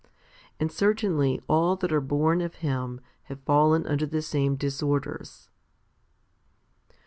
And certainly all that are born of him have fallen under the same disorders.